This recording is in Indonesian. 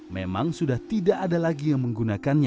memang sudah tidak ada lagi yang menggunakannya